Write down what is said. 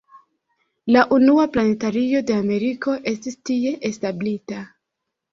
La unua planetario de Ameriko estis tie establita.